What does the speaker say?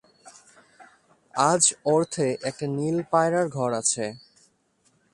আজ ওর্থে একটা নীল পায়রার ঘর আছে।